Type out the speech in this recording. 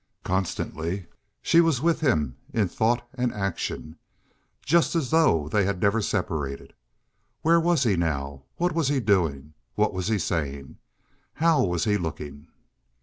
Constantly she was with him in thought and action, just as though they had never separated. Where was he now? What was he doing? What was he saying? How was he looking?